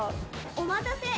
お待たせ。